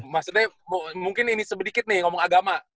maksudnya mungkin ini sebedikit nih ngomong agama